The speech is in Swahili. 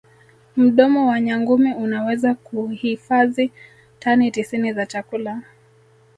mdomo wa nyangumi unaweza kuhifazi tani tisini za chakula